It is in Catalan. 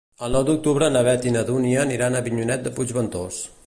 El nou d'octubre na Beth i na Dúnia aniran a Avinyonet de Puigventós.